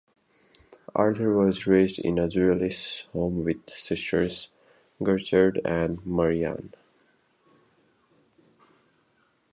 Arthur was raised in a Jewish home with sisters Gertrude and Marian.